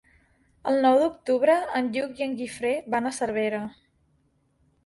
El nou d'octubre en Lluc i en Guifré van a Cervera.